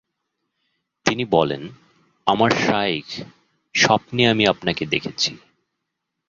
তিনি বলেন, "আমার শাইখ, স্বপ্নে আমি আপনাকে দেখেছি।